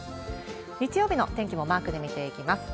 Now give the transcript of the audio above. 日曜日の天気もマークで見ていきます。